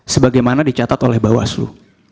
sebagaimana dicatat oleh bawaslu